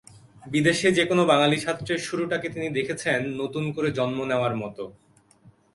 বিদেশে যেকোনো বাঙালি ছাত্রের শুরুটাকে তিনি দেখেছেন নতুন করে জন্ম নেওয়ার মতো।